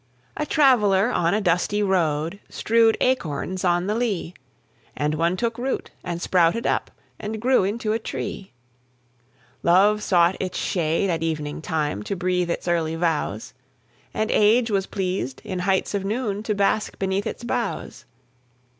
A traveller on a dusty road Strewed acorns on the lea; And one took root and sprouted up, And grew into a tree. Love sought its shade at evening time, To breathe its early vows; And Age was pleased, in heights of noon, To bask beneath its boughs.